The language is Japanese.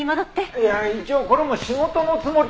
いや一応これも仕事のつもり。